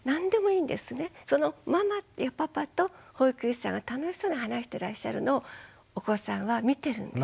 そのママやパパと保育士さんが楽しそうに話してらっしゃるのをお子さんは見てるんです。